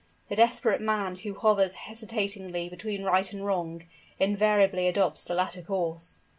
The desperate man who hovers hesitatingly between right and wrong, invariably adopts the latter course.